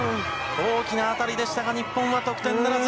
大きな当たりでしたが、日本は得点ならず。